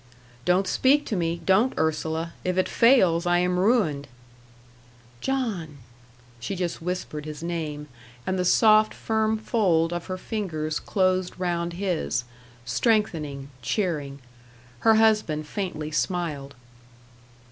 "Don't speak to me, don't, Ursula. If it fails I am ruined." "John!" she just whispered his name, and the soft, firm fold of her fingers closed round his, strengthening, cheering. Her husband faintly smiled.